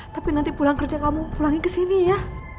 tapi nanti pulang kerja kamu pulangin kesini ya